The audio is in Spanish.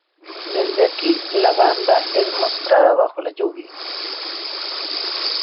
Desde aquí, la banda es mostrada bajo la lluvia.